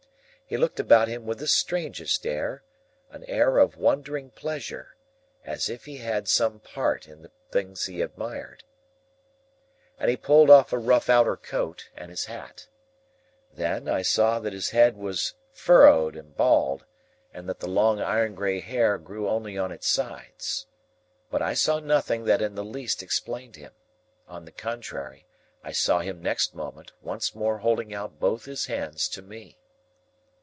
He looked about him with the strangest air,—an air of wondering pleasure, as if he had some part in the things he admired,—and he pulled off a rough outer coat, and his hat. Then, I saw that his head was furrowed and bald, and that the long iron grey hair grew only on its sides. But, I saw nothing that in the least explained him. On the contrary, I saw him next moment, once more holding out both his hands to me.